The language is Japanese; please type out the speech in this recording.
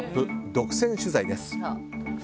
独占取材です。